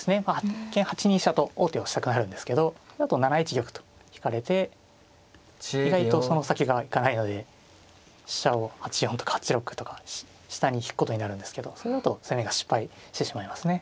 一見８二飛車と王手をしたくなるんですけどそれだと７一玉と引かれて意外とその先が行かないので飛車を８四とか８六とか下に引くことになるんですけどそれだと攻めが失敗してしまいますね。